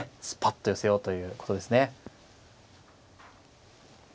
スパッと寄せようということですね。